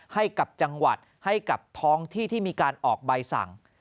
ให้กับจังหวัดให้กับท้องที่ที่มีการออกใบสั่ง